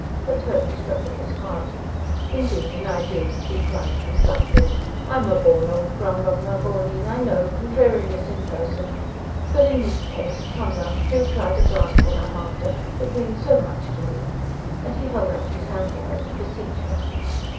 Her tone struck at his heart. "Indeed and I do!" he cried contritely. "I'm a born old grumbler, mavourneen, I know contrariness in person! But in this case ... come, love, do try to grasp what I'm after; it means so much to me." And he held out his hand to her, to beseech her.